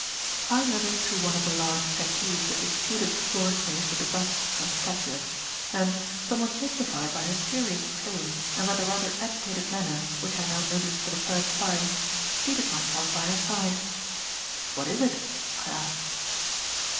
I led her to one of the large settees that disputed the floor space with the busts and statuettes, and, somewhat mystified by her serious tone and by the rather agitated manner, which I now noticed for the first time, seated myself by her side. "What is it?" I asked.